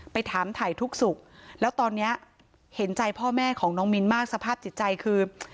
ไปถามถ่ายทุกสุขแล้วตอนนี้เห็นใจพ่อแม่ของน้องมิ้นมากสภาพจิตใจคือ